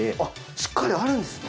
しっかりあるんですね